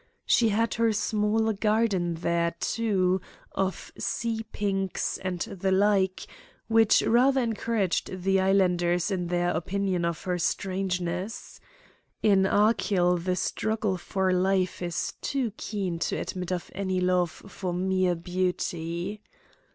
She had her small garden there, too, of sea pinks and the like, which rather encouraged the Islanders in their opinion of her strangeness. In Achill the struggle for life is too keen to admit of any love for mere beauty.